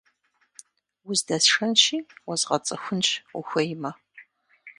Уздэсшэнщи, уэзгъэцӀыхунщ, ухуеймэ.